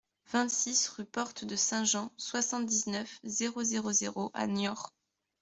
vingt-six rue Porte de Saint-Jean, soixante-dix-neuf, zéro zéro zéro à Niort